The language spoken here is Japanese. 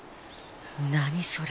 何それ？